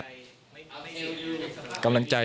ทุกคนไม่มีอะไร